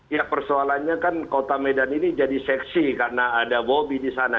ya persoalannya kan kota medan ini jadi seksi karena ada bobi di sana